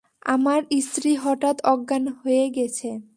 আমার স্ত্রী হঠাত অজ্ঞান হয়ে গেছে।